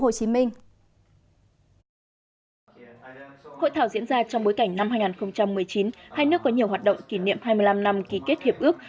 hội thảo diễn ra trong bối cảnh năm hai nghìn một mươi chín hai nước có nhiều hoạt động kỷ niệm hai mươi năm năm ký kết hiệp ước